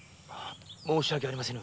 申し訳ありませぬ。